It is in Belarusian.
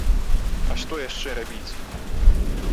А што яшчэ рабіць?!